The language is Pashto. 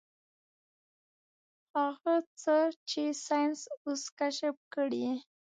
هغه څه چې ساينس اوس کشف کړي.